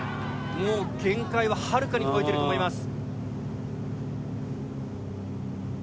もう限界ははるかに超えてると思います。